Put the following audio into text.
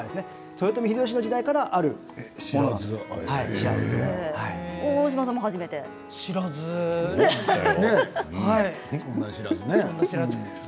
豊臣秀吉の時代からある白酢です。